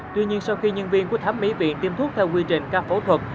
tuy nhiên sau khi nhân viên của thấm mỹ viện tiêm thuốc theo quy trình ca phẫu thuật